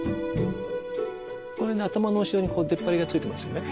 これね頭の後ろに出っ張りがついてますよね。